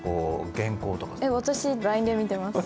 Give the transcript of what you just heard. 私ＬＩＮＥで見てます。